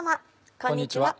こんにちは。